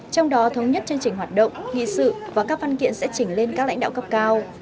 trong đó thống nhất chương trình hoạt động nghị sự và các văn kiện sẽ chỉnh lên các lãnh đạo cấp cao